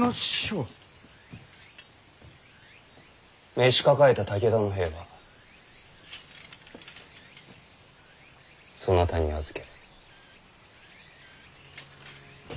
召し抱えた武田の兵はそなたに預ける。